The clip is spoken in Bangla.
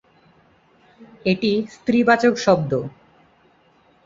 এটি স্ত্রী-বাচক শব্দ।